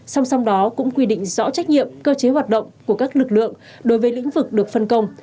song song đó cũng quy định rõ trách nhiệm cơ chế hoạt động của các lực lượng đối với lĩnh vực được phân công